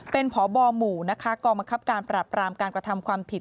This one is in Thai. เป็นพบหมู่กรมคับการปรับปรามการกระทำความผิด